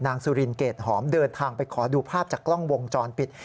สุรินเกรดหอมเดินทางไปขอดูภาพจากกล้องวงจรปิด